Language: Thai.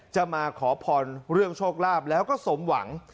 มาขอพรเรื่องโชคลาภแล้วก็สมหวัง